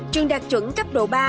trường đạt chuẩn cấp độ ba